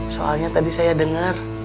soalnya tadi saya denger